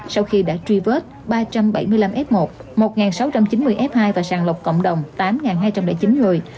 sau khi đã truy vết ba trăm bảy mươi năm f một một sáu trăm chín mươi f hai và sàng lọc cộng đồng tám hai trăm linh chín người